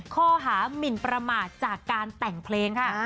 ข้อหามินประมาทจากการแต่งเพลงค่ะ